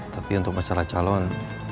tapi untuk acara calon